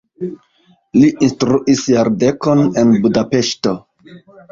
Li instruis jardekon en Budapeŝto.